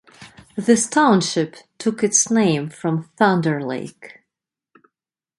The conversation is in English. This township took its name from Thunder Lake.